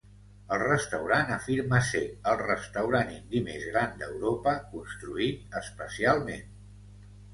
El restaurant afirma ser el restaurant indi més gran d'Europa construït especialment.